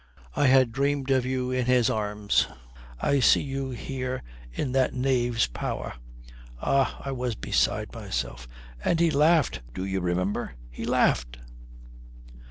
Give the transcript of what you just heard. I had dreamed of you in his arms. To see you there in that knave's power ah, I was beside myself. And he laughed, do you remember, he laughed!"